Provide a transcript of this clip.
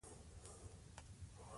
قدر کېمیا دی په دې دیار کي